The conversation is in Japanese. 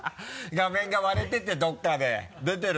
画面が割れててどこかで出てる？